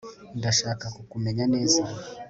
ndashaka kukumenya neza